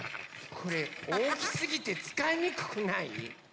これおおきすぎてつかいにくくない？